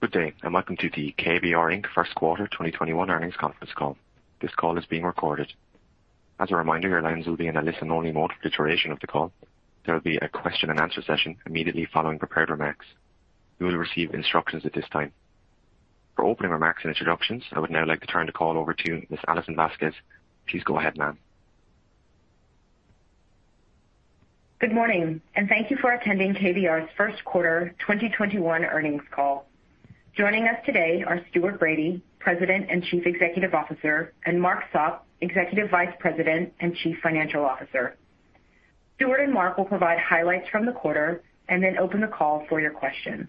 Good day. Welcome to the KBR, Inc. First Quarter 2021 Earnings Conference Call. This call is being recorded. As a reminder, your lines will be in a listen-only mode for the duration of the call. There will be a question-and-answer session immediately following prepared remarks. You will receive instructions at this time. For opening remarks and introductions, I would now like to turn the call over to Ms. Alison Vasquez. Please go ahead, ma'am. Good morning. Thank you for attending KBR's First Quarter 2021 earnings call. Joining us today are Stuart Bradie, President and Chief Executive Officer, and Mark Sopp, Executive Vice President and Chief Financial Officer. Stuart and Mark will provide highlights from the quarter. Then open the call for your questions.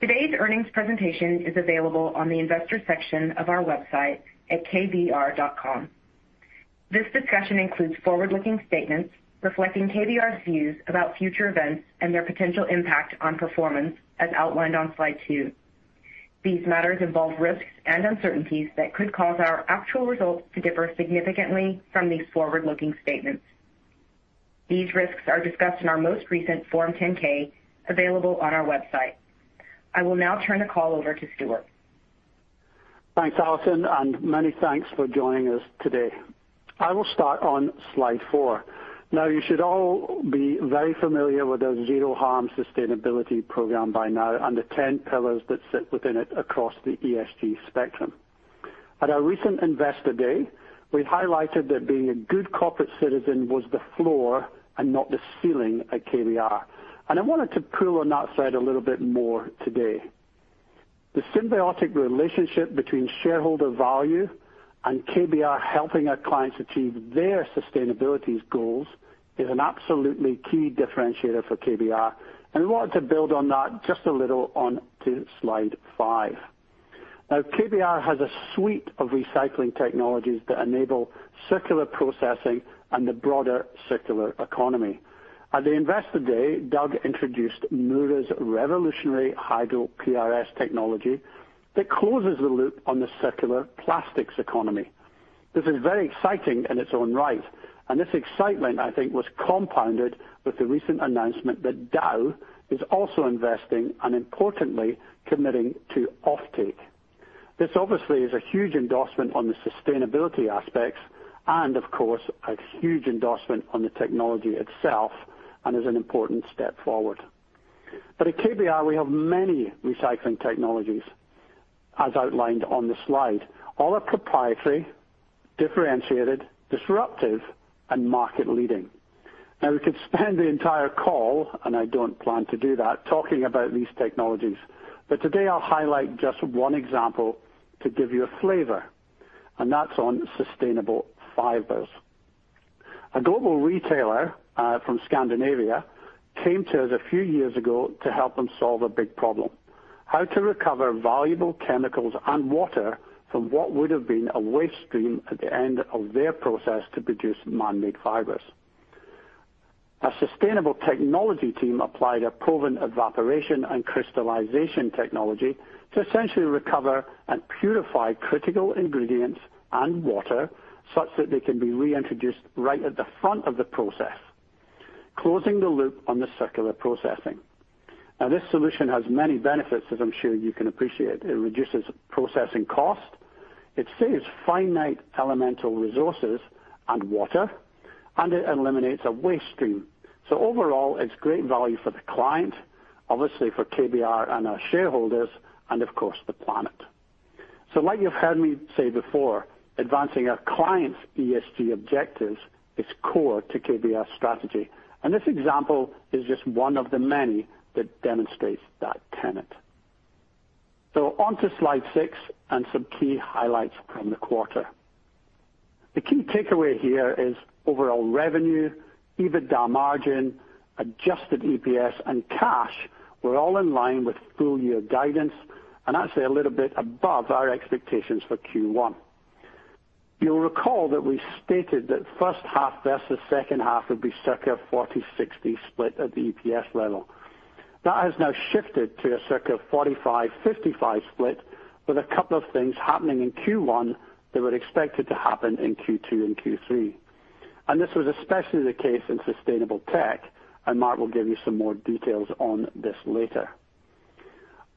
Today's earnings presentation is available on the Investors section of our website at kbr.com. This discussion includes forward-looking statements reflecting KBR's views about future events and their potential impact on performance, as outlined on slide two. These matters involve risks and uncertainties that could cause our actual results to differ significantly from these forward-looking statements. These risks are discussed in our most recent Form 10-K, available on our website. I will now turn the call over to Stuart. Thanks, Alison. Many thanks for joining us today. I will start on slide four. You should all be very familiar with our Zero Harm sustainability program by now and the 10 pillars that sit within it across the ESG spectrum. At our recent Investor Day, we highlighted that being a good corporate citizen was the floor and not the ceiling at KBR. I wanted to pull on that side a little bit more today. The symbiotic relationship between shareholder value and KBR helping our clients achieve their sustainability goals is an absolutely key differentiator for KBR. We wanted to build on that just a little on to slide five. KBR has a suite of recycling technologies that enable circular processing and the broader circular economy. At the Investor Day, Doug introduced Mura's revolutionary HydroPRS technology that closes the loop on the circular plastics economy. This is very exciting in its own right. This excitement, I think, was compounded with the recent announcement that Dow is also investing and importantly committing to offtake. This obviously is a huge endorsement on the sustainability aspects and, of course, a huge endorsement on the technology itself and is an important step forward. At KBR we have many recycling technologies, as outlined on the slide. All are proprietary, differentiated, disruptive, and market leading. We could spend the entire call, and I don't plan to do that, talking about these technologies. Today I'll highlight just one example to give you a flavor, and that's on sustainable fibers. A global retailer from Scandinavia came to us a few years ago to help them solve a big problem, how to recover valuable chemicals and water from what would have been a waste stream at the end of their process to produce man-made fibers. Our Sustainable Technology team applied a proven evaporation and crystallization technology to essentially recover and purify critical ingredients and water such that they can be reintroduced right at the front of the process, closing the loop on the circular processing. This solution has many benefits, as I'm sure you can appreciate. It reduces processing cost, it saves finite elemental resources and water, and it eliminates a waste stream. Overall, it's great value for the client, obviously for KBR and our shareholders, and of course, the planet. Like you've heard me say before, advancing our clients' ESG objectives is core to KBR's strategy, and this example is just one of the many that demonstrates that tenet. On to slide six and some key highlights from the quarter. The key takeaway here is overall revenue, EBITDA margin, adjusted EPS, and cash were all in line with full-year guidance and actually a little bit above our expectations for Q1. You'll recall that we stated that first half versus second half would be circa 40/60 split at the EPS level. That has now shifted to a circa 45/55 split with a couple of things happening in Q1 that were expected to happen in Q2 and Q3. This was especially the case in Sustainable Tech, and Mark will give you some more details on this later.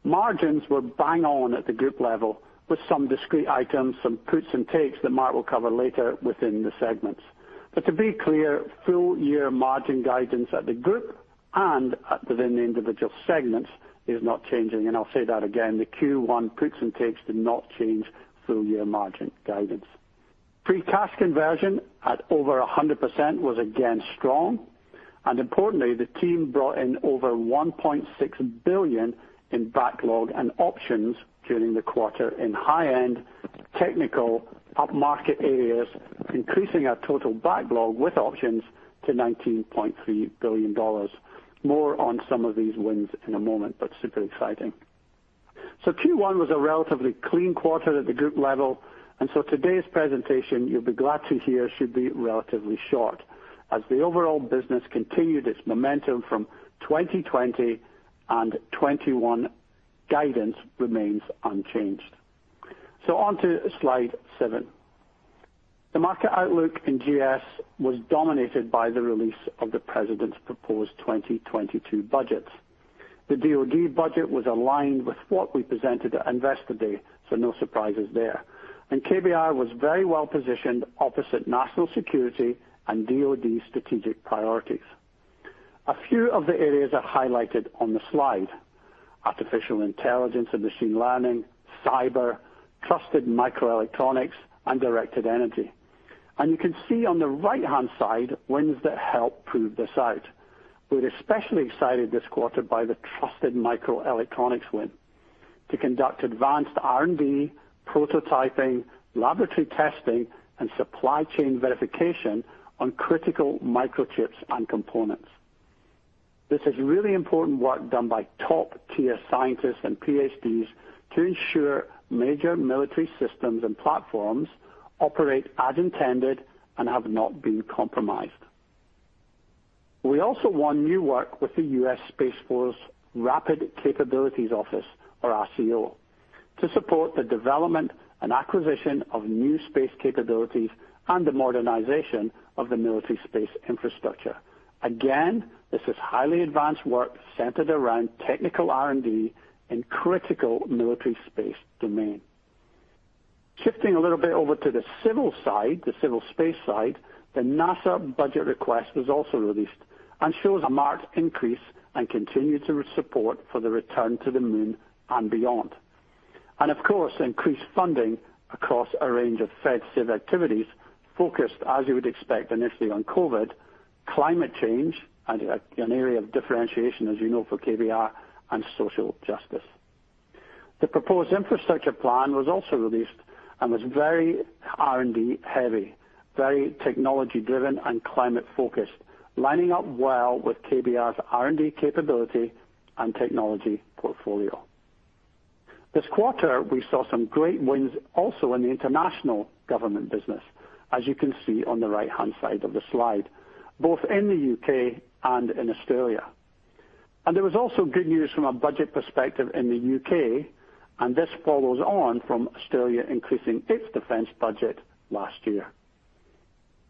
Margins were bang on at the group level with some discrete items, some puts and takes that Mark will cover later within the segments. To be clear, full-year margin guidance at the group and within the individual segments is not changing. I'll say that again, the Q1 puts and takes did not change full-year margin guidance. Free cash conversion at over 100% was again strong. Importantly, the team brought in over $1.6 billion in backlog and options during the quarter in high-end technical upmarket areas, increasing our total backlog with options to $19.3 billion. More on some of these wins in a moment, but super exciting. Q1 was a relatively clean quarter at the group level, Today's presentation, you'll be glad to hear, should be relatively short as the overall business continued its momentum from 2020 and 2021 guidance remains unchanged. On to slide seven. The market outlook in GS was dominated by the release of the president's proposed 2022 budget. The DoD budget was aligned with what we presented at Investor Day, no surprises there. KBR was very well-positioned opposite National Security and DoD strategic priorities. A few of the areas are highlighted on the slide, artificial intelligence and machine learning, cyber, trusted microelectronics, and directed energy. You can see on the right-hand side wins that help prove this out. We're especially excited this quarter by the trusted microelectronics win to conduct advanced R&D, prototyping, laboratory testing, and supply chain verification on critical microchips and components. This is really important work done by top-tier scientists and PhDs to ensure major military systems and platforms operate as intended and have not been compromised. We also won new work with the U.S. Space Force Rapid Capabilities Office, or RCO, to support the development and acquisition of new space capabilities and the modernization of the military space infrastructure. Again, this is highly advanced work centered around technical R&D in critical military space domain. Shifting a little bit over to the civil side, the civil space side, the NASA budget request was also released and shows a marked increase and continued support for the return to the moon and beyond. Of course, increased funding across a range of fed civil activities focused, as you would expect, initially on COVID, climate change, and an area of differentiation, as you know, for KBR, and social justice. The proposed infrastructure plan was also released and was very R&D heavy, very technology-driven, and climate-focused, lining up well with KBR's R&D capability and technology portfolio. This quarter, we saw some great wins also in the international government business, as you can see on the right-hand side of the slide, both in the U.K. and in Australia. There was also good news from a budget perspective in the U.K., and this follows on from Australia increasing its defense budget last year.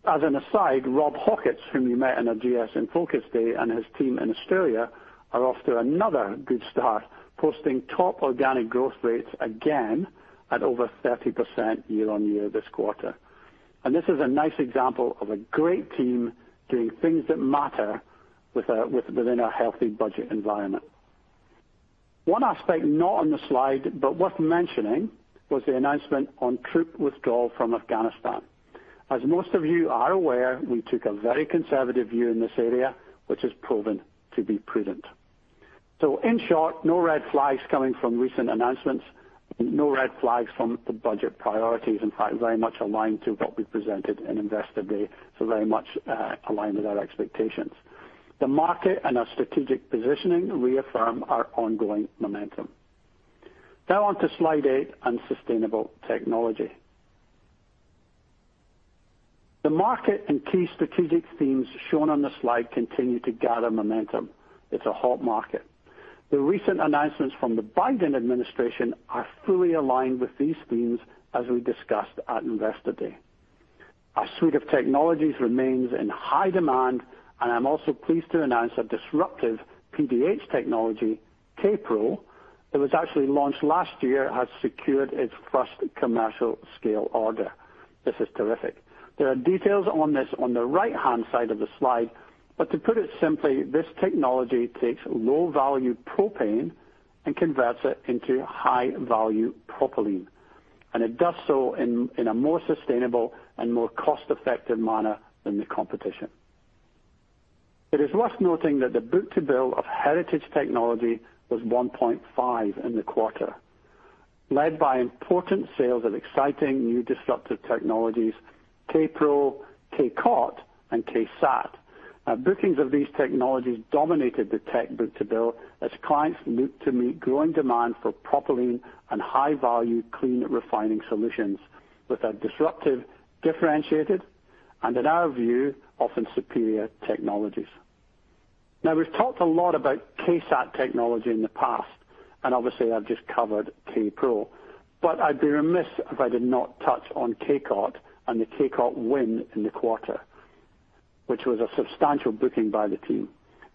As an aside, Rob Hawketts, whom you met in our GS in Focus day, and his team in Australia are off to another good start, posting top organic growth rates again at over 30% year-on-year this quarter. This is a nice example of a great team doing things that matter within a healthy budget environment. One aspect not on the slide but worth mentioning was the announcement on troop withdrawal from Afghanistan. As most of you are aware, we took a very conservative view in this area, which has proven to be prudent. In short, no red flags coming from recent announcements. No red flags from the budget priorities. In fact, very much aligned to what we presented in Investor Day, so very much aligned with our expectations. The market and our strategic positioning reaffirm our ongoing momentum. Now on to slide eight on Sustainable Technology Solutions. The market and key strategic themes shown on the slide continue to gather momentum. It's a hot market. The recent announcements from the Biden administration are fully aligned with these themes, as we discussed at Investor Day. Our suite of technologies remains in high demand, and I'm also pleased to announce our disruptive PDH technology, K-PRO, that was actually launched last year, has secured its first commercial-scale order. This is terrific. There are details on this on the right-hand side of the slide. To put it simply, this technology takes low-value propane and converts it into high-value propylene, and it does so in a more sustainable and more cost-effective manner than the competition. It is worth noting that the book-to-bill of Heritage Tech was 1.5 in the quarter, led by important sales of exciting new disruptive technologies, K-PRO, K-COT, and K-SAAT. Bookings of these technologies dominated the tech book-to-bill as clients look to meet growing demand for propylene and high-value clean refining solutions with our disruptive, differentiated, and in our view, often superior technologies. We've talked a lot about K-SAAT technology in the past, and obviously I've just covered K-PRO, but I'd be remiss if I did not touch on K-COT and the K-COT win in the quarter, which was a substantial booking by the team.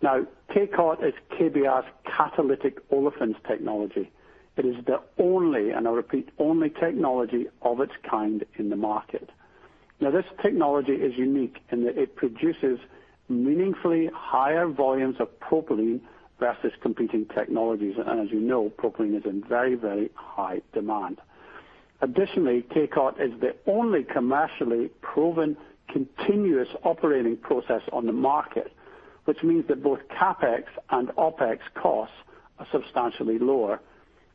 K-COT is KBR's Catalytic Olefins Technology. It is the only, and I repeat, only technology of its kind in the market. This technology is unique in that it produces meaningfully higher volumes of propylene versus competing technologies. As you know, propylene is in very, very high demand. Additionally, K-COT is the only commercially proven continuous operating process on the market. Which means that both CapEx and OpEx costs are substantially lower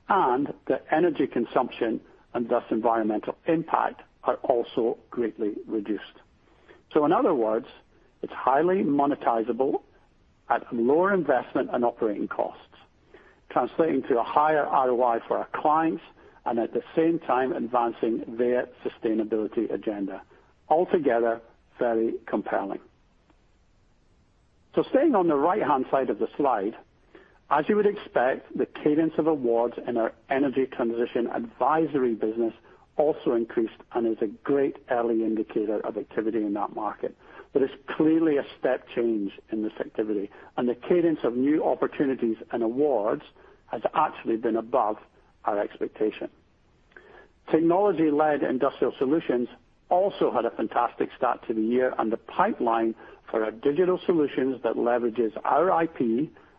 and the energy consumption and thus environmental impact are also greatly reduced. In other words, it's highly monetizable at lower investment and operating costs, translating to a higher ROI for our clients and at the same time advancing their sustainability agenda. Altogether, very compelling. Staying on the right-hand side of the slide, as you would expect, the cadence of awards in our energy transition advisory business also increased and is a great early indicator of activity in that market. It's clearly a step change in this activity, the cadence of new opportunities and awards has actually been above our expectation. Technology-led industrial solutions also had a fantastic start to the year, the pipeline for our digital solutions that leverages our IP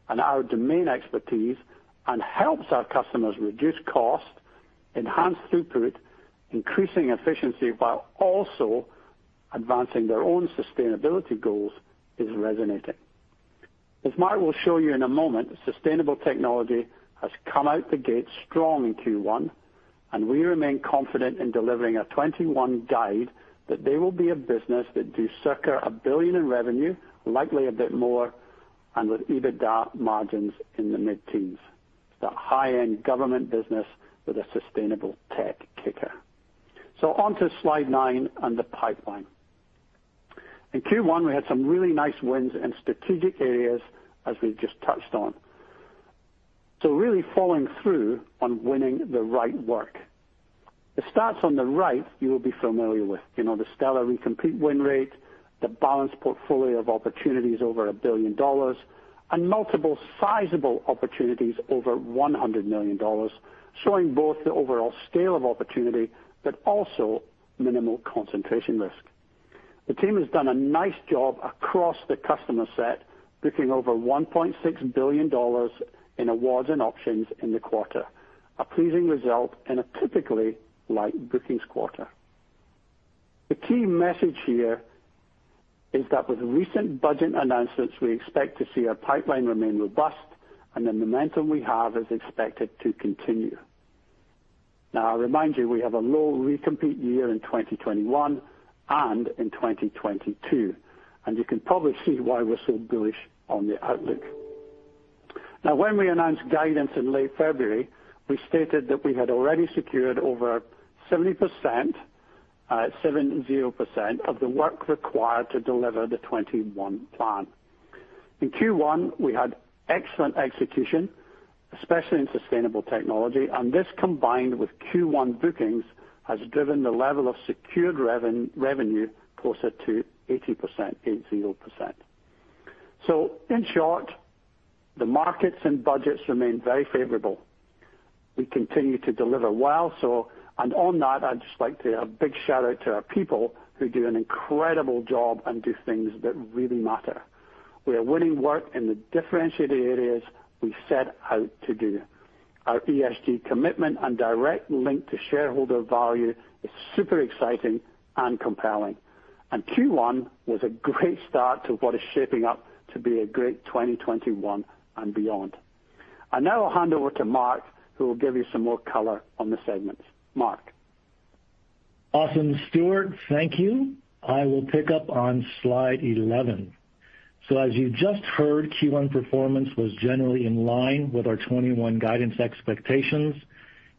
and our domain expertise and helps our customers reduce cost, enhance throughput, increasing efficiency while also advancing their own sustainability goals, is resonating. As Mark will show you in a moment, Sustainable Technology has come out the gate strong in Q1, we remain confident in delivering a 2021 guide that they will be a business that do circa $1 billion in revenue, likely a bit more, with EBITDA margins in the mid-teens. It's a high-end government business with a sustainable tech kicker. On to slide nine and the pipeline. In Q1, we had some really nice wins in strategic areas as we've just touched on. Really following through on winning the right work. The stats on the right you will be familiar with. The stellar recompete win rate, the balanced portfolio of opportunities over $1 billion, and multiple sizable opportunities over $100 million, showing both the overall scale of opportunity, also minimal concentration risk. The team has done a nice job across the customer set, booking over $1.6 billion in awards and options in the quarter, a pleasing result in a typically light bookings quarter. The key message here is that with recent budget announcements, we expect to see our pipeline remain robust and the momentum we have is expected to continue. I remind you, we have a low recompete year in 2021 and in 2022, you can probably see why we're so bullish on the outlook. When we announced guidance in late February, we stated that we had already secured over 70% of the work required to deliver the 2021 plan. In Q1, we had excellent execution, especially in Sustainable Technology, this combined with Q1 bookings, has driven the level of secured revenue closer to 80%. In short, the markets and budgets remain very favorable. We continue to deliver well. On that, I'd just like to a big shout-out to our people who do an incredible job and do things that really matter. We are winning work in the differentiated areas we set out to do. Our ESG commitment and direct link to shareholder value is super exciting and compelling. Q1 was a great start to what is shaping up to be a great 2021 and beyond. I now hand over to Mark, who will give you some more color on the segments. Mark. Awesome, Stuart. Thank you. I will pick up on slide 11. As you just heard, Q1 performance was generally in line with our 2021 guidance expectations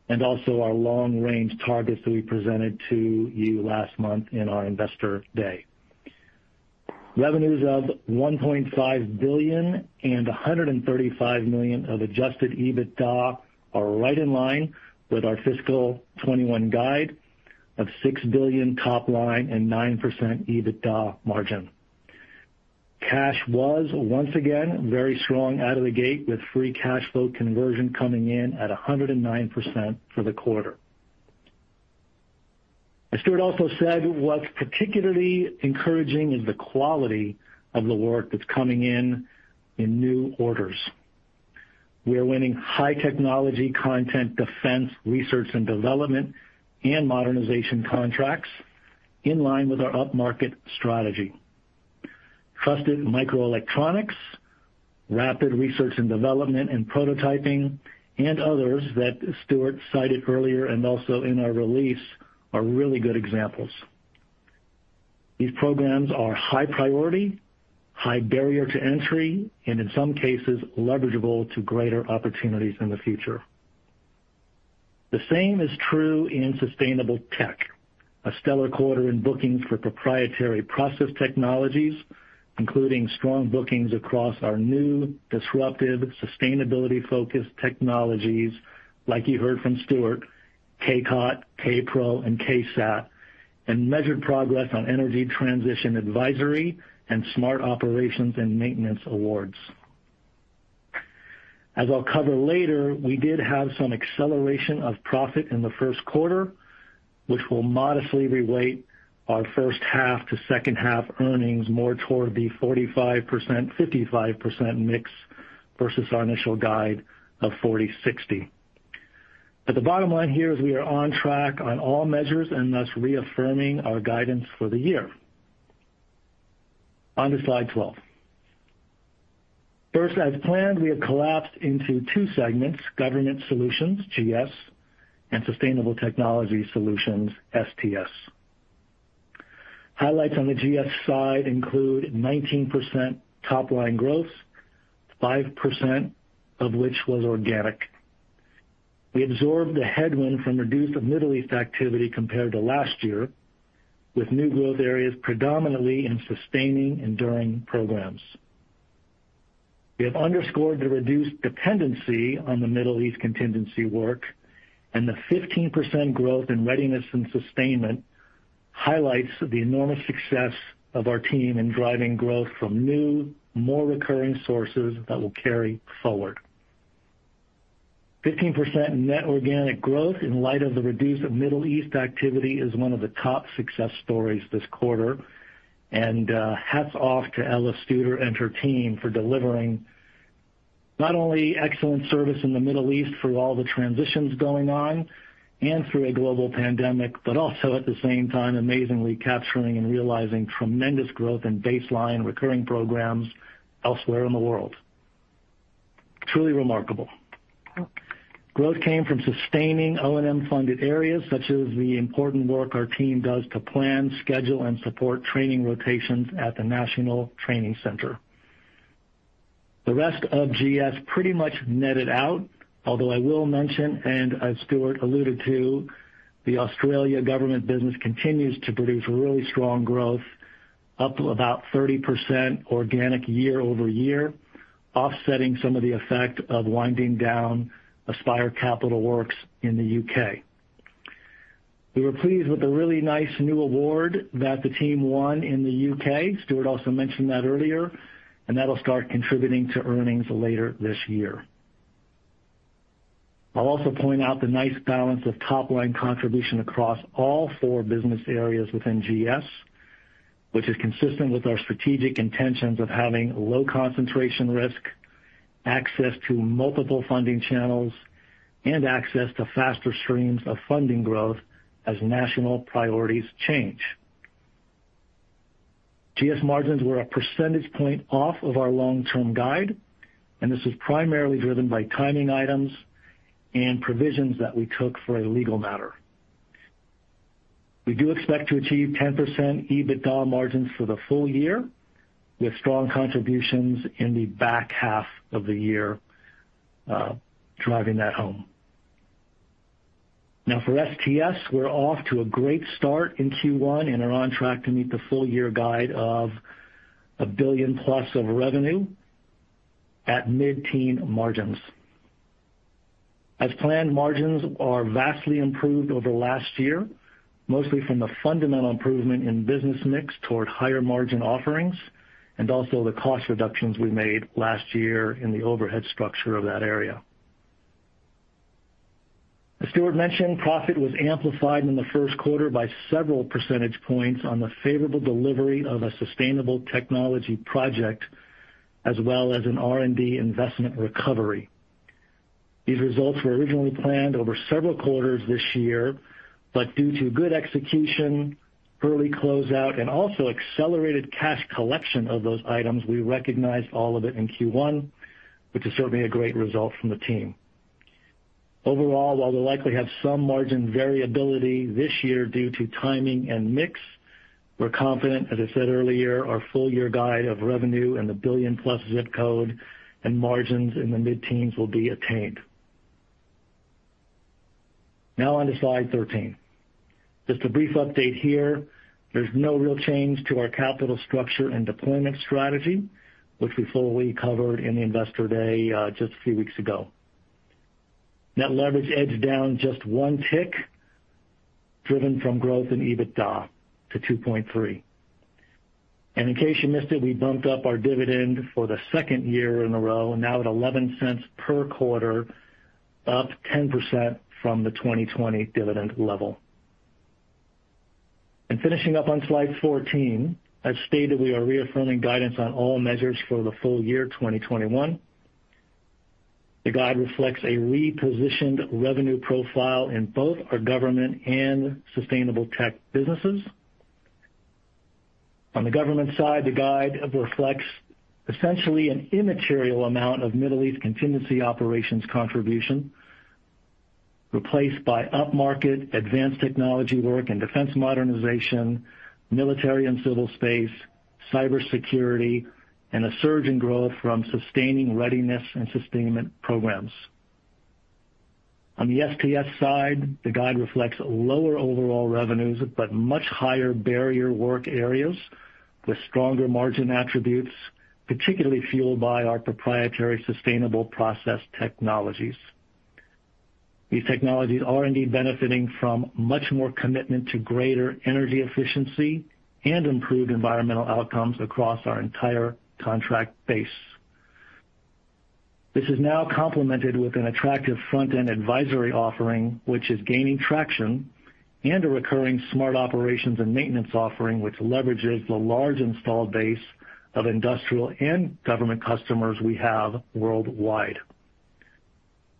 and also our long-range targets that we presented to you last month in our Investor Day. Revenues of $1.5 billion and $135 million of adjusted EBITDA are right in line with our fiscal 2021 guide of $6 billion top line and 9% EBITDA margin. Cash was, once again, very strong out of the gate with free cash flow conversion coming in at 109% for the quarter. As Stuart also said, what's particularly encouraging is the quality of the work that's coming in in new orders. We are winning high technology content, defense, research and development, and modernization contracts in line with our upmarket strategy. Trusted microelectronics, rapid research and development and prototyping, and others that Stuart cited earlier and also in our release, are really good examples. These programs are high priority, high barrier to entry, and in some cases, leverageable to greater opportunities in the future. The same is true in Sustainable Tech. A stellar quarter in bookings for proprietary process technologies, including strong bookings across our new disruptive sustainability-focused technologies, like you heard from Stuart, K-COT, K-PRO, and K-SAAT, and measured progress on energy transition advisory and smart operations and maintenance awards. As I'll cover later, we did have some acceleration of profit in the first quarter, which will modestly reweight our first half to second half earnings more toward the 45%/55% mix versus our initial guide of 40/60. The bottom line here is we are on track on all measures and thus reaffirming our guidance for the year. On to slide 12. First, as planned, we have collapsed into two segments, Government Solutions, GS, and Sustainable Technology Solutions, STS. Highlights on the GS side include 19% top-line growth, 5% of which was organic. We absorbed the headwind from reduced Middle East activity compared to last year, with new growth areas predominantly in sustaining enduring programs. We have underscored the reduced dependency on the Middle East contingency work, the 15% growth in Readiness and Sustainment highlights the enormous success of our team in driving growth from new, more recurring sources that will carry forward. 15% net organic growth in light of the reduced Middle East activity is one of the top success stories this quarter, and hats off to Ella Studer and her team for delivering not only excellent service in the Middle East through all the transitions going on and through a global pandemic, but also at the same time, amazingly capturing and realizing tremendous growth in baseline recurring programs elsewhere in the world. Truly remarkable. Growth came from sustaining O&M-funded areas, such as the important work our team does to plan, schedule, and support training rotations at the National Training Center. The rest of GS pretty much netted out, although I will mention, as Stuart alluded to, the Australia government business continues to produce really strong growth, up about 30% organic year-over-year, offsetting some of the effect of winding down Aspire Capital Works in the U.K. We were pleased with the really nice new award that the team won in the U.K. Stuart also mentioned that earlier, and that will start contributing to earnings later this year. I will also point out the nice balance of top-line contribution across all four business areas within GS, which is consistent with our strategic intentions of having low concentration risk, access to multiple funding channels, and access to faster streams of funding growth as national priorities change. GS margins were a percentage point off of our long-term guide, and this is primarily driven by timing items and provisions that we took for a legal matter. We do expect to achieve 10% EBITDA margins for the full year, with strong contributions in the back half of the year driving that home. Now, for STS, we are off to a great start in Q1 and are on track to meet the full-year guide of a billion plus of revenue at mid-teen margins. As planned, margins are vastly improved over last year, mostly from the fundamental improvement in business mix toward higher-margin offerings, and also the cost reductions we made last year in the overhead structure of that area. As Stuart mentioned, profit was amplified in the first quarter by several percentage points on the favorable delivery of a sustainable technology project, as well as an R&D investment recovery. These results were originally planned over several quarters this year, but due to good execution, early closeout, and also accelerated cash collection of those items, we recognized all of it in Q1, which is certainly a great result from the team. Overall, while we will likely have some margin variability this year due to timing and mix, we are confident, as I said earlier, our full-year guide of revenue in the billion-plus zip code and margins in the mid-teens will be attained. Now on to slide 13. Just a brief update here. There is no real change to our capital structure and deployment strategy, which we fully covered in the Investor Day just a few weeks ago. Net leverage edged down just one tick, driven from growth in EBITDA to 2.3. In case you missed it, we bumped up our dividend for the second year in a row, now at $0.11 per quarter, up 10% from the 2020 dividend level. Finishing up on slide 14, as stated, we are reaffirming guidance on all measures for the full year 2021. The guide reflects a repositioned revenue profile in both our Government Solutions and Sustainable Technology Solutions businesses. On the government side, the guide reflects essentially an immaterial amount of Middle East contingency operations contribution, replaced by upmarket advanced technology work and defense modernization, military and civil space, cybersecurity, and a surge in growth from sustaining Readiness and Sustainment programs. On the STS side, the guide reflects lower overall revenues, but much higher barrier work areas with stronger margin attributes, particularly fueled by our proprietary sustainable process technologies. These technologies are indeed benefiting from much more commitment to greater energy efficiency and improved environmental outcomes across our entire contract base. This is now complemented with an attractive front-end advisory offering, which is gaining traction, and a recurring smart operations and maintenance offering, which leverages the large installed base of industrial and government customers we have worldwide.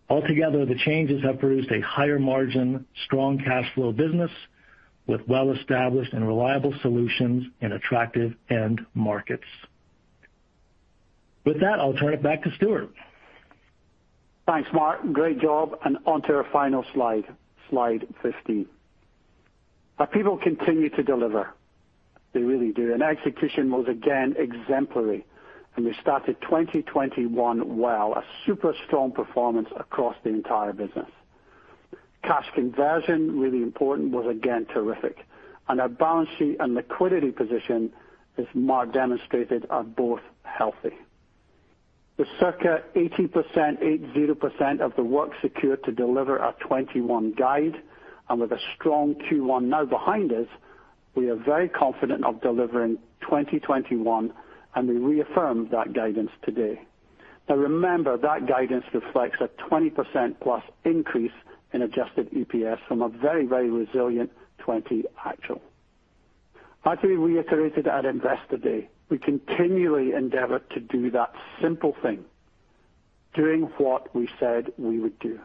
Altogether, the changes have produced a higher margin, strong cash flow business with well-established and reliable solutions in attractive end markets. With that, I'll turn it back to Stuart. Thanks, Mark. Great job, and onto our final slide 15. Our people continue to deliver. They really do. Execution was again exemplary, and we started 2021 well, a super strong performance across the entire business. Cash conversion, really important, was again terrific. Our balance sheet and liquidity position, as Mark demonstrated, are both healthy. With circa 80% of the work secure to deliver our 2021 guide and with a strong Q1 now behind us, we are very confident of delivering 2021, and we reaffirm that guidance today. Now remember, that guidance reflects a 20% plus increase in adjusted EPS from a very resilient 2020 actual. As we reiterated at Investor Day, we continually endeavor to do that simple thing, doing what we said we would do.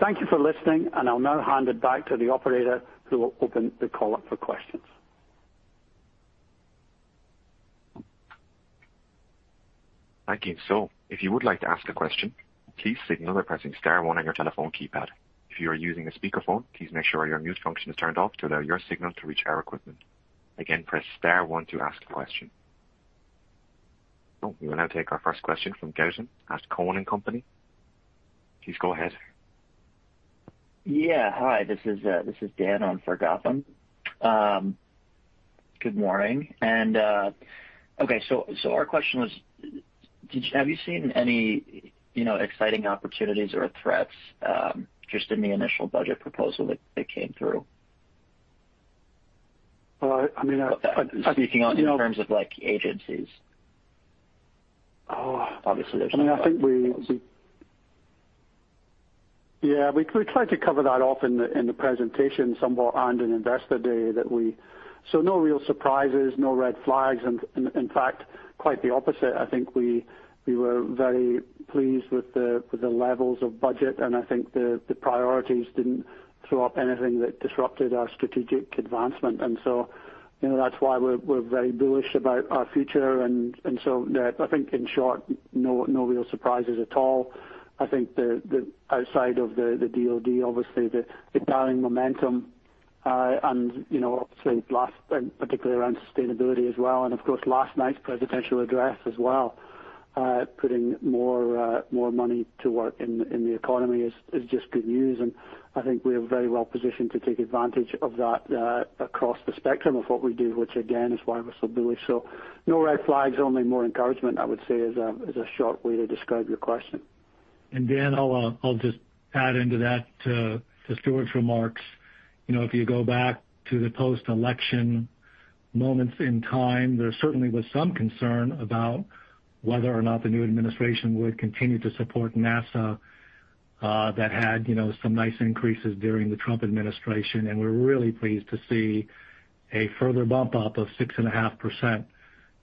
Thank you for listening, and I'll now hand it back to the operator who will open the call up for questions. Thank you. If you would like to ask a question, please signal by pressing star one on your telephone keypad. If you are using a speakerphone, please make sure your mute function is turned off to allow your signal to reach our equipment. Again, press star one to ask a question. We will now take our first question from Gautam at Cowen and Company. Please go ahead. Hi, this is Dan on for Gautam. Good morning. Our question was, have you seen any exciting opportunities or threats, just in the initial budget proposal that came through? Well- Speaking in terms of agencies. Oh. Obviously, there's- Yeah, we tried to cover that off in the presentation somewhat and in Investor Day that we. No real surprises, no red flags, and in fact, quite the opposite. I think we were very pleased with the levels of budget, and I think the priorities didn't throw up anything that disrupted our strategic advancement. That's why we're very bullish about our future. That I think in short, no real surprises at all. I think that outside of the DoD, obviously the dialing momentum, and obviously particularly around sustainability as well, and of course, last night's presidential address as well, putting more money to work in the economy is just good news. I think we are very well-positioned to take advantage of that across the spectrum of what we do, which again, is why we're so bullish. No red flags, only more encouragement, I would say is a short way to describe your question. Dan, I'll just add into that to Stuart's remarks. If you go back to the post-election moments in time, there certainly was some concern about whether or not the new administration would continue to support NASA, that had some nice increases during the Trump administration. We're really pleased to see a further bump up of 6.5%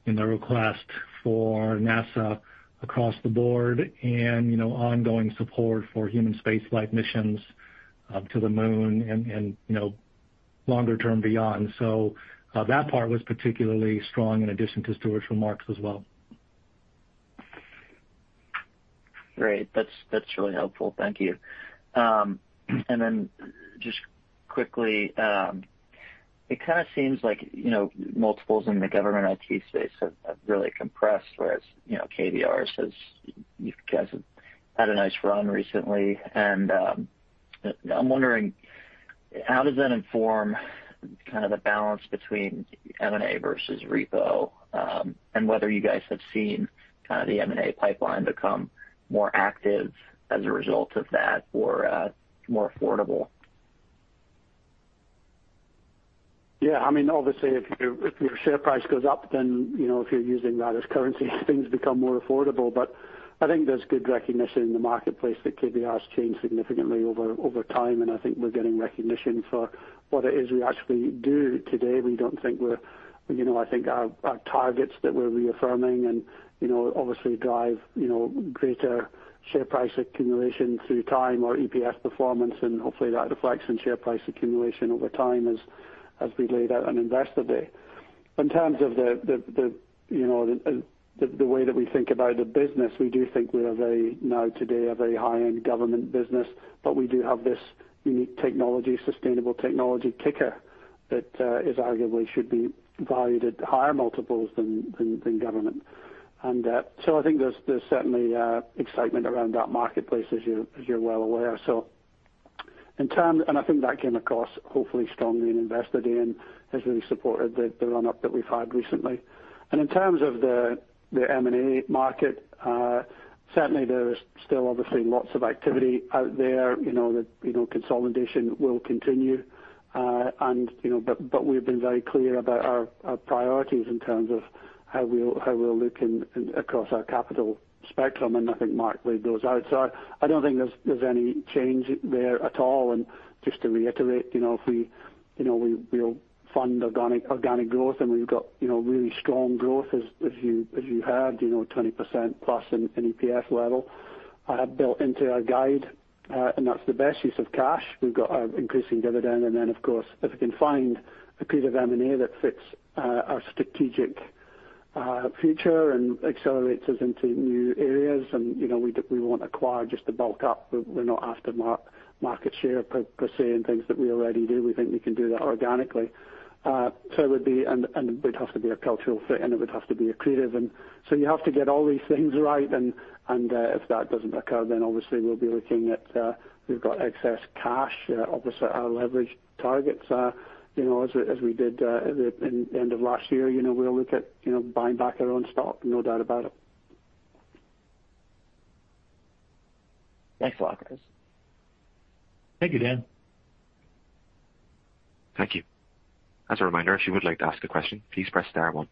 in the request for NASA across the board and ongoing support for human space flight missions to the moon and longer term beyond. That part was particularly strong in addition to Stuart's remarks as well. Great. That's really helpful. Thank you. Then just quickly, it kind of seems like multiples in the government IT space have really compressed, whereas, KBR you guys have had a nice run recently. I'm wondering how does that inform kind of the balance between M&A versus repo, and whether you guys have seen kind of the M&A pipeline become more active as a result of that or more affordable? If your share price goes up, then if you're using that as currency, things become more affordable. I think there's good recognition in the marketplace that KBR has changed significantly over time, I think we're getting recognition for what it is we actually do today. I think our targets that we're reaffirming and obviously drive greater share price accumulation through time or EPS performance and hopefully that reflects in share price accumulation over time as we laid out on Investor Day. In terms of the way that we think about the business, we do think we are very, now today, a very high-end government business, but we do have this unique technology, sustainable technology kicker that arguably should be valued at higher multiples than government. I think there's certainly excitement around that marketplace as you're well aware. I think that came across hopefully strongly in Investor Day and has really supported the run-up that we've had recently. In terms of the M&A market, certainly there is still obviously lots of activity out there. Consolidation will continue. We've been very clear about our priorities in terms of how we're looking across our capital spectrum, I think Mark laid those out. I don't think there's any change there at all. Just to reiterate, we'll fund organic growth, we've got really strong growth as you heard, 20% plus in EPS level built into our guide. That's the best use of cash. We've got our increasing dividend, then, of course, if we can find a piece of M&A that fits our strategic Our future and accelerates us into new areas. We won't acquire just to bulk up. We're not after market share per se in things that we already do. We think we can do that organically. It would have to be a cultural fit, and it would have to be accretive. You have to get all these things right. If that doesn't occur, then obviously we've got excess cash opposite our leverage targets. As we did at the end of last year, we'll look at buying back our own stock, no doubt about it. Thanks, Mark. Thank you, Dan. Thank you. As a reminder, if you would like to ask a question, please press star one.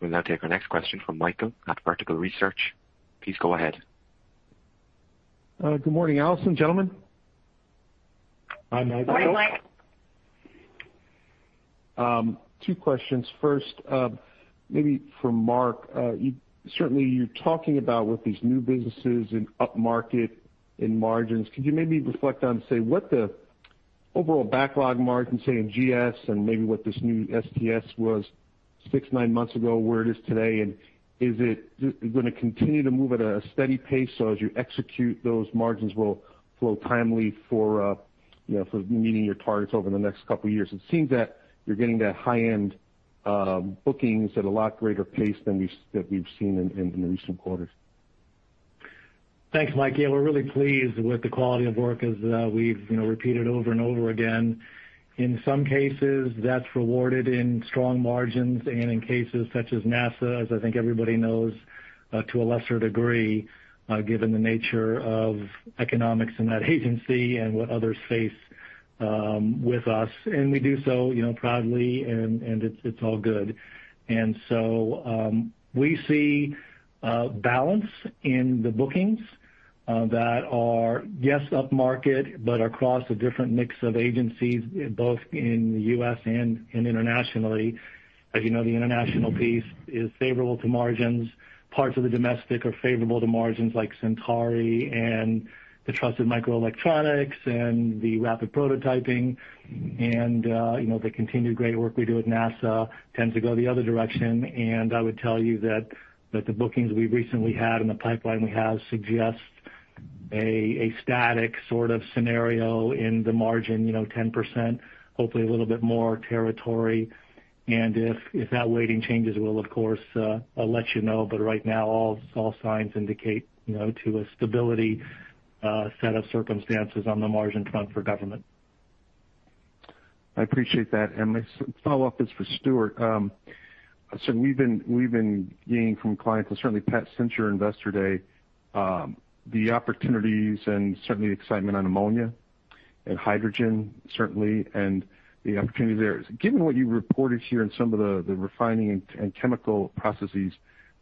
We'll now take our next question from Michael at Vertical Research. Please go ahead. Good morning, Alison, gentlemen. Hi, Michael. Morning, Mike. Two questions. First, maybe for Mark. Certainly, you're talking about with these new businesses in upmarket, in margins. Could you maybe reflect on, say, what the overall backlog margin, say, in GS and maybe what this new STS was six, nine months ago, where it is today? Is it going to continue to move at a steady pace so as you execute those margins will flow timely for meeting your targets over the next couple of years? It seems that you're getting that high-end bookings at a lot greater pace than we've seen in the recent quarters. Thanks, Mike. Yeah, we're really pleased with the quality of work as we've repeated over and over again. In some cases, that's rewarded in strong margins and in cases such as NASA, as I think everybody knows, to a lesser degree, given the nature of economics in that agency and what others face with us. We do so proudly, and it's all good. We see a balance in the bookings that are, yes, upmarket, but across a different mix of agencies, both in the U.S. and internationally. As you know, the international piece is favorable to margins. Parts of the domestic are favorable to margins like Centauri and the trusted microelectronics and the rapid prototyping. The continued great work we do with NASA tends to go the other direction. I would tell you that the bookings we've recently had and the pipeline we have suggests a static sort of scenario in the margin, 10%, hopefully a little bit more territory. If that weighting changes, we'll of course let you know. Right now, all signs indicate to a stability set of circumstances on the margin front for government. I appreciate that. My follow-up is for Stuart. We've been hearing from clients and certainly Pat, since your Investor Day, the opportunities and certainly the excitement on ammonia and hydrogen, certainly, and the opportunities there. Given what you reported here in some of the refining and chemical processes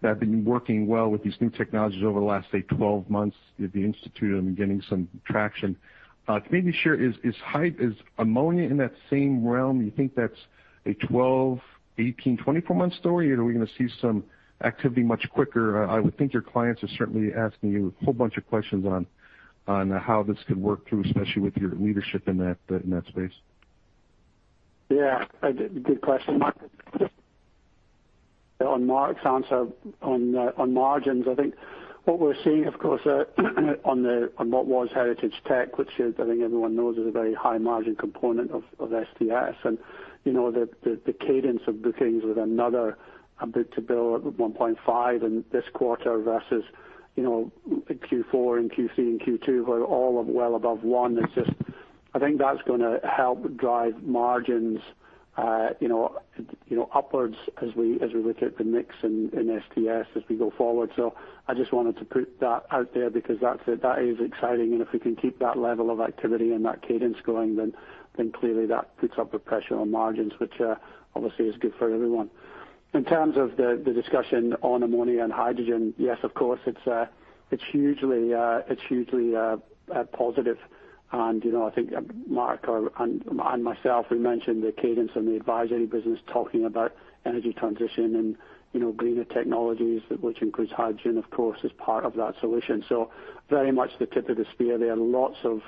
that have been working well with these new technologies over the last, say, 12 months that you've instituted and been getting some traction. Can you maybe share, is ammonia in that same realm? You think that's a 12, 18, 24-month story? Or are we going to see some activity much quicker? I would think your clients are certainly asking you a whole bunch of questions on how this could work too, especially with your leadership in that space. Yeah. Good question, Michael. On Mark's answer on margins, I think what we're seeing, of course, on what was Heritage Tech, which is I think everyone knows is a very high-margin component of STS. The cadence of bookings with another book-to-bill at 1.5 in this quarter versus Q4, Q3, and Q2 were all well above one. I think that's going to help drive margins upwards as we look at the mix in STS as we go forward. I just wanted to put that out there because that is exciting. If we can keep that level of activity and that cadence going, then clearly that puts upward pressure on margins, which obviously is good for everyone. In terms of the discussion on ammonia and hydrogen, yes, of course, it's hugely positive. I think Mark and myself, we mentioned the cadence and the advisory business talking about energy transition and greener technologies, which includes hydrogen, of course, as part of that solution. Very much the tip of the spear. There are lots of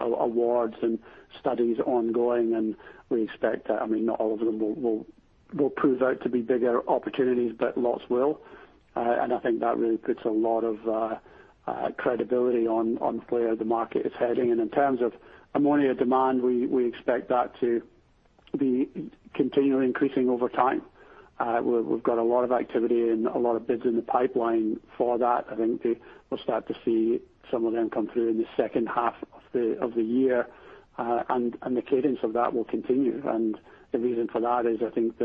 awards and studies ongoing, and we expect that. Not all of them will prove out to be bigger opportunities, but lots will. I think that really puts a lot of credibility on where the market is heading. In terms of ammonia demand, we expect that to be continually increasing over time. We've got a lot of activity and a lot of bids in the pipeline for that. I think we'll start to see some of them come through in the second half of the year. The cadence of that will continue. The reason for that is, I think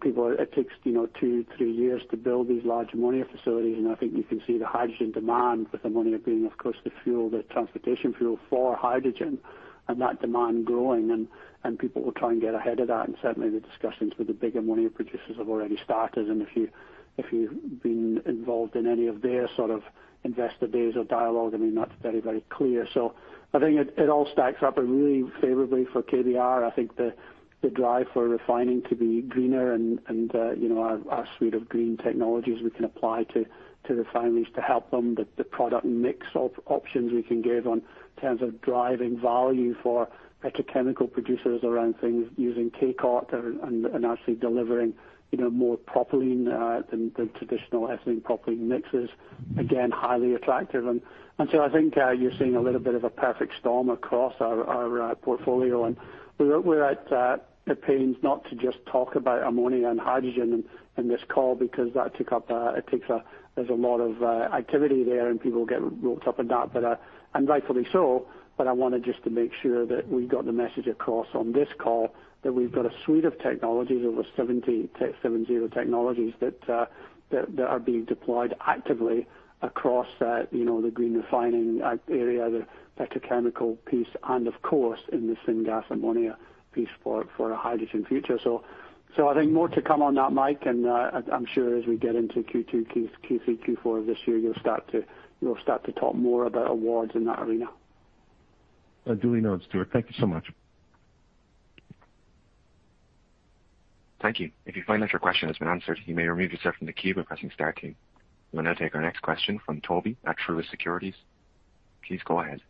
people, it takes two, three years to build these large ammonia facilities. I think you can see the hydrogen demand with ammonia being, of course, the transportation fuel for hydrogen, and that demand growing, and people will try and get ahead of that. Certainly, the discussions with the bigger ammonia producers have already started. If you've been involved in any of their Investor Days or dialogue, I mean, that's very, very clear. I think it all stacks up, and really favorably for KBR. I think the drive for refining to be greener and our suite of green technologies we can apply to refineries to help them. The product mix of options we can give in terms of driving value for petrochemical producers around things using K-COT and actually delivering more propylene than traditional ethylene propylene mixes. Again, highly attractive. I think you're seeing a little bit of a perfect storm across our portfolio. We're at pains not to just talk about ammonia and hydrogen in this call because there's a lot of activity there, and people get roped up in that, and rightfully so. I wanted just to make sure that we got the message across on this call that we've got a suite of technologies, over 70 technologies that are being deployed actively across the green refining area, the petrochemical piece, and of course, in the syngas ammonia piece for a hydrogen future. I think more to come on that, Mike, and I'm sure as we get into Q2, Q3, Q4 of this year, you'll start to talk more about awards in that arena. Duly noted, Stuart. Thank you so much. Thank you. If you find that your question has been answered, you may remove yourself from the queue by pressing star two. We'll now take our next question from Tobey at Truist Securities. Please go ahead.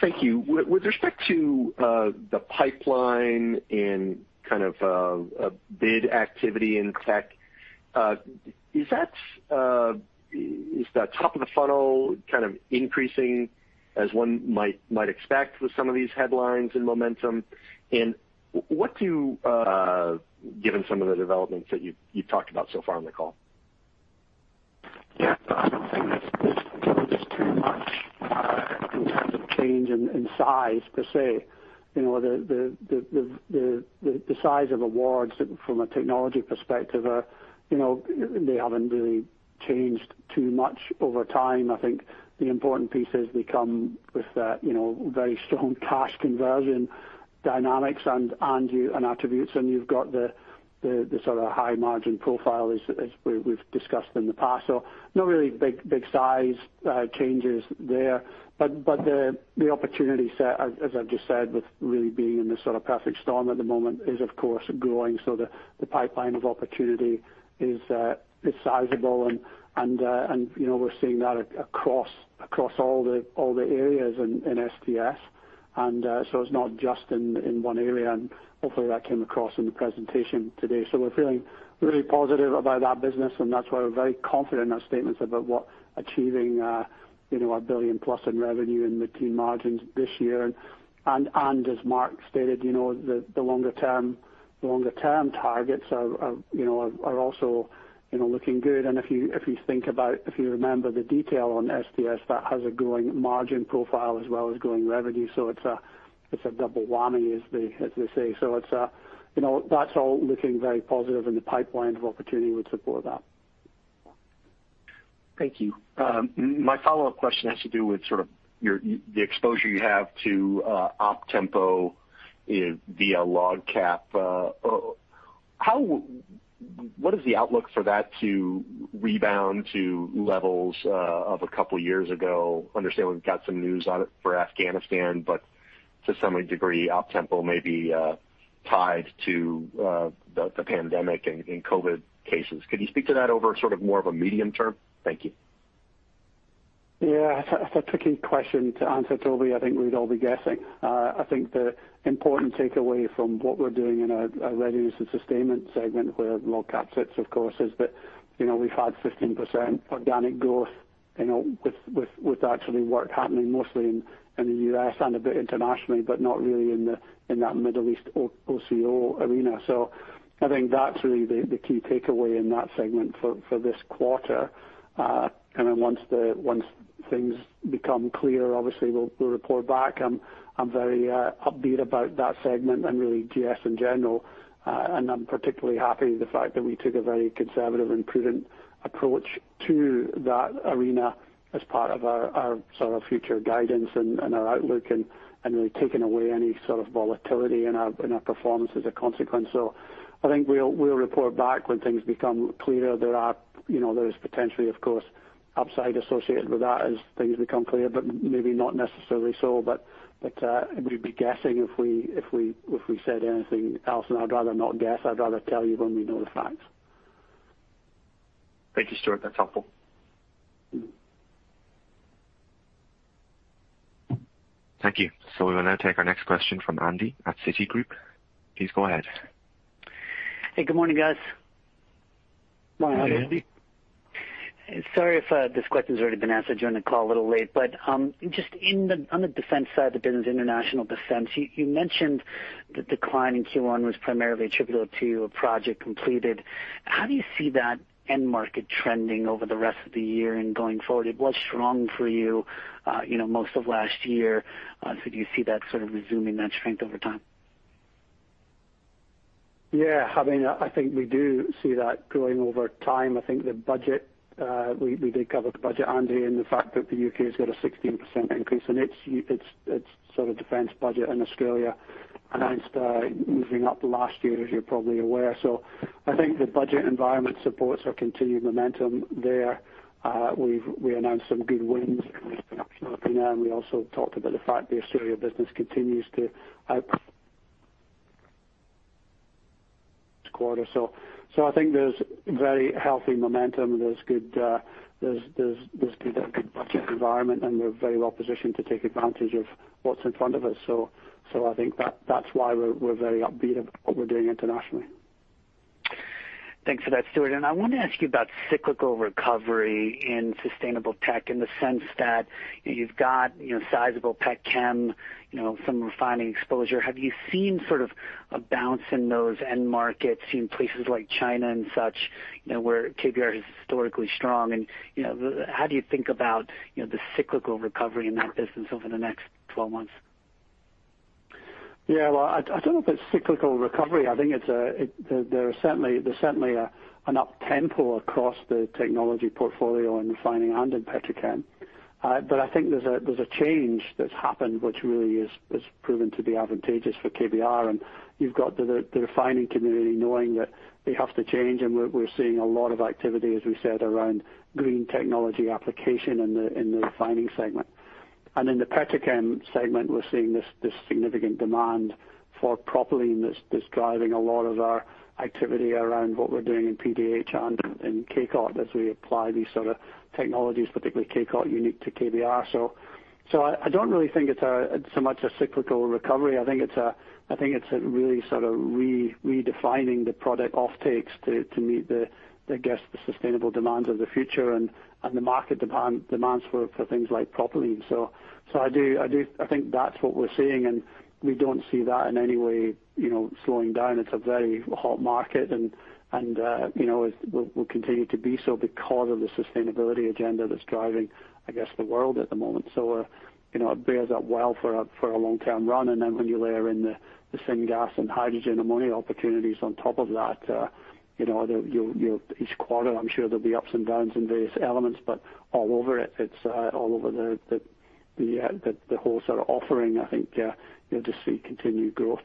Thank you. With respect to the pipeline and bid activity in tech, is the top of the funnel kind of increasing as one might expect with some of these headlines and momentum? Given some of the developments that you've talked about so far on the call. Yeah. I don't think that this tells us too much in terms of change in size per se. The size of awards from a technology perspective, they haven't really changed too much over time. I think the important piece is they come with very strong cash conversion dynamics and attributes, and you've got the sort of high margin profile as we've discussed in the past. Not really big size changes there. The opportunity set, as I've just said, with really being in the sort of perfect storm at the moment is of course growing. The pipeline of opportunity is sizable, and we're seeing that across all the areas in STS. It's not just in one area, and hopefully that came across in the presentation today. We're feeling really positive about that business, and that's why we're very confident in our statements about what achieving a $1 billion plus in revenue and mid-teen margins this year. As Mark stated, the longer-term targets are also looking good. If you remember the detail on STS, that has a growing margin profile as well as growing revenue. It's a double whammy, as they say. That's all looking very positive, and the pipeline of opportunity would support that. Thank you. My follow-up question has to do with sort of the exposure you have to OPTEMPO via LOGCAP. What is the outlook for that to rebound to levels of a couple of years ago? Understand we've got some news on it for Afghanistan, but to some degree, OPTEMPO may be tied to the pandemic and COVID cases. Could you speak to that over sort of more of a medium term? Thank you. Yeah. It's a tricky question to answer, Toby. I think we'd all be guessing. I think the important takeaway from what we're doing in our Readiness and Sustainment segment, where LOGCAP sits, of course, is that we've had 15% organic growth with actually work happening mostly in the U.S. and a bit internationally, but not really in that Middle East OCO arena. I think that's really the key takeaway in that segment for this quarter. Then once things become clear, obviously, we'll report back. I'm very upbeat about that segment and really GS in general. I'm particularly happy with the fact that we took a very conservative and prudent approach to that arena as part of our sort of future guidance and our outlook and really taking away any sort of volatility in our performance as a consequence. I think we'll report back when things become clearer. There is potentially, of course, upside associated with that as things become clear, but maybe not necessarily so. We'd be guessing if we said anything else, and I'd rather not guess. I'd rather tell you when we know the facts. Thank you, Stuart. That's helpful. Thank you. We will now take our next question from Andy at Citigroup. Please go ahead. Hey, good morning, guys. Morning, Andy. Sorry if this question's already been asked. I joined the call a little late. Just on the defense side of the business, international defense, you mentioned the decline in Q1 was primarily attributable to a project completed. How do you see that end market trending over the rest of the year and going forward? It was strong for you most of last year. Do you see that sort of resuming that strength over time? Yeah. I think we do see that growing over time. I think we did cover the budget, Andy, and the fact that the U.K. has got a 16% increase in its sort of defense budget, and Australia announced moving up last year, as you're probably aware. I think the budget environment supports our continued momentum there. We announced some good wins in Europe now, and we also talked about the fact the Australia business continues this quarter. I think there's very healthy momentum. There's been a good budget environment, and we're very well positioned to take advantage of what's in front of us. I think that's why we're very upbeat about what we're doing internationally. Thanks for that, Stuart. I want to ask you about cyclical recovery in Sustainable Tech in the sense that you've got sizable petchem, some refining exposure. Have you seen sort of a bounce in those end markets in places like China and such, where KBR is historically strong? How do you think about the cyclical recovery in that business over the next 12 months? Well, I don't know if it's cyclical recovery. I think there's certainly an up tempo across the technology portfolio in refining and in petrochem. I think there's a change that's happened, which really has proven to be advantageous for KBR. You've got the refining community knowing that they have to change, and we're seeing a lot of activity, as we said, around green technology application in the refining segment. In the petrochem segment, we're seeing this significant demand for propylene that's driving a lot of our activity around what we're doing in PDH and in K-COT as we apply these sort of technologies, particularly K-COT unique to KBR. I don't really think it's so much a cyclical recovery. I think it's really sort of redefining the product off takes to meet the sustainable demands of the future and the market demands for things like propylene. I think that's what we're seeing, and we don't see that in any way slowing down. It's a very hot market and will continue to be so because of the sustainability agenda that's driving the world at the moment. It bears up well for a long-term run. When you layer in the syngas and hydrogen ammonia opportunities on top of that, each quarter, I'm sure there'll be ups and downs in various elements. All over the whole sort of offering, I think you'll just see continued growth.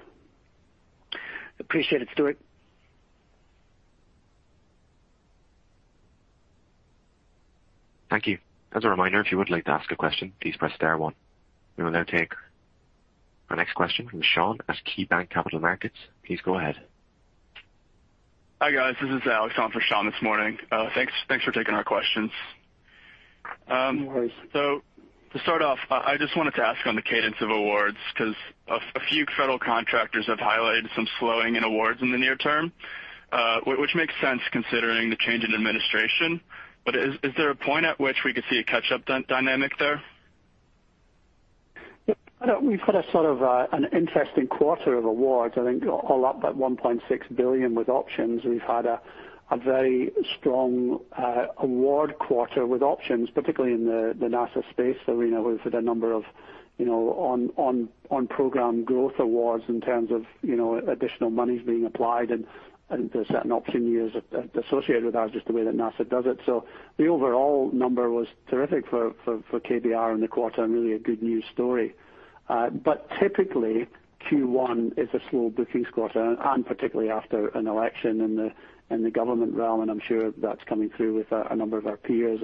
Appreciate it, Stuart. Thank you. As a reminder, if you would like to ask a question, please press star one. We will now take our next question from Sean at KeyBanc Capital Markets. Please go ahead. Hi, guys. This is Alex on for Sean this morning. Thanks for taking our questions. No worries. To start off, I just wanted to ask on the cadence of awards, because a few federal contractors have highlighted some slowing in awards in the near term, which makes sense considering the change in administration. Is there a point at which we could see a catch-up dynamic there? We've had a sort of an interesting quarter of awards. I think all up, about $1.6 billion with options. We've had a very strong award quarter with options, particularly in the NASA space arena. We've had a number of on-program growth awards in terms of additional monies being applied and there's certain option years associated with that, just the way that NASA does it. The overall number was terrific for KBR in the quarter and really a good news story. Typically, Q1 is a slow bookings quarter, and particularly after an election in the government realm, and I'm sure that's coming through with a number of our peers.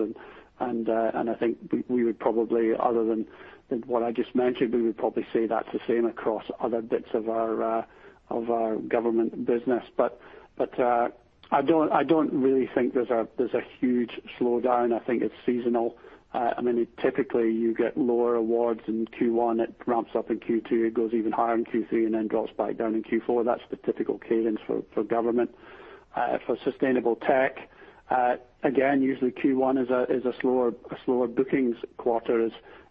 I think other than what I just mentioned, we would probably say that's the same across other bits of our government business. I don't really think there's a huge slowdown. I think it's seasonal. Typically, you get lower awards in Q1. It ramps up in Q2. It goes even higher in Q3 and then drops back down in Q4. That's the typical cadence for government. For sustainable tech, again, usually Q1 is a slower bookings quarter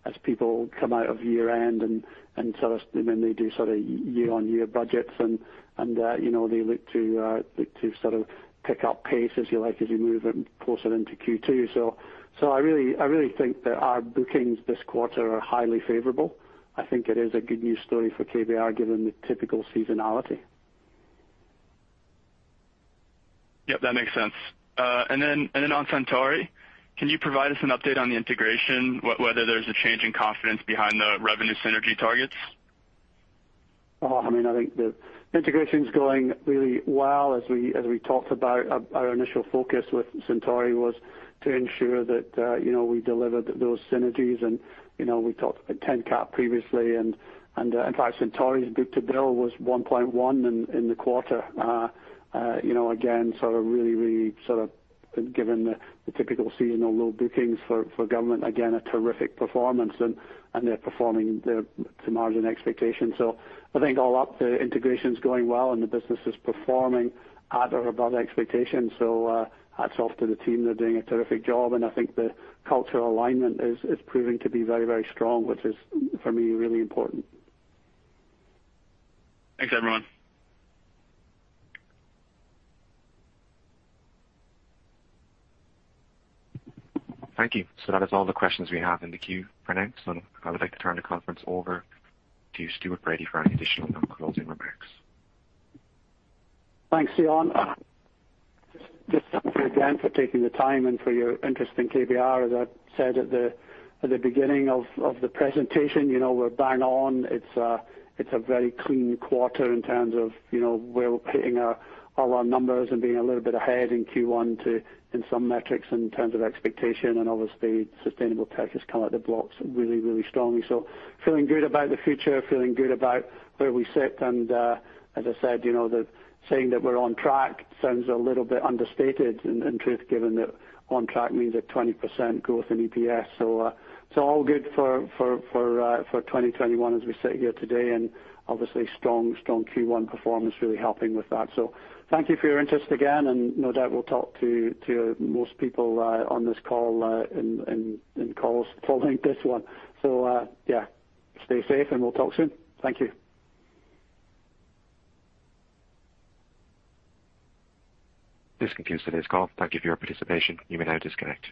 as people come out of year-end and then they do sort of year-on-year budgets and they look to sort of pick up pace, if you like, as you move closer into Q2. I really think that our bookings this quarter are highly favorable. I think it is a good news story for KBR, given the typical seasonality. Yep, that makes sense. Then on Centauri, can you provide us an update on the integration, whether there's a change in confidence behind the revenue synergy targets? I think the integration's going really well. As we talked about, our initial focus with Centauri was to ensure that we delivered those synergies, and we talked about 10 CAP previously. In fact, Centauri's book-to-bill was 1.1 in the quarter. Again, really sort of given the typical seasonal low bookings for government, again, a terrific performance, and they're performing to margin expectations. I think all up, the integration's going well, and the business is performing at or above expectations. Hats off to the team. They're doing a terrific job, and I think the cultural alignment is proving to be very strong, which is, for me, really important. Thanks, everyone. Thank you. That is all the questions we have in the queue for now. I would like to turn the conference over to Stuart Bradie for any additional closing remarks. Thanks, Ian. Just thank you again for taking the time and for your interest in KBR. As I said at the beginning of the presentation, we're bang on. It's a very clean quarter in terms of we're hitting all our numbers and being a little bit ahead in Q1 in some metrics in terms of expectation, and obviously sustainable tech has come out the blocks really strongly. Feeling good about the future, feeling good about where we sit, and as I said, saying that we're on track sounds a little bit understated in truth, given that on track means a 20% growth in EPS. All good for 2021 as we sit here today, and obviously strong Q1 performance really helping with that. Thank you for your interest again, and no doubt we'll talk to most people on this call and in calls following this one. Stay safe, and we'll talk soon. Thank you. This concludes today's call. Thank you for your participation. You may now disconnect.